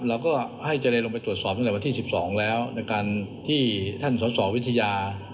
เราก็ให้เจรลงไปตรวจสอบตั้งแต่วันที่๑๒แล้วในการที่ท่านสอสอวิทยา